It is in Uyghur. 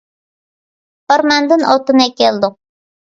ئورماندىن ئوتۇن ئەكەلدۇق.